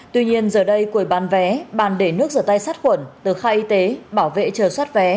tuy nhiên giờ đây quầy bán vé bàn để nước rửa tay sát khuẩn tờ khai y tế bảo vệ chờ xoát vé